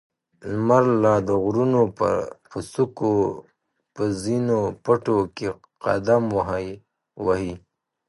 لمر لا د غرونو پر څوکو په زرينو پڼو کې قدم واهه.